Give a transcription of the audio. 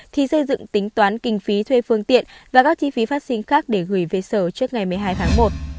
thì xây dựng tính toán kinh phí thuê phương tiện và các chi phí phát sinh khác để gửi về sở trước ngày một mươi hai tháng một